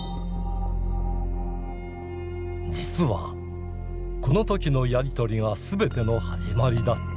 実はこの時のやり取りが全ての始まりだった。